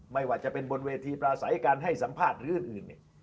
ไม่ว่าจะเป็นบนเวทีประสาทและการให้สัมภาษณ์หรืออย่างอื่น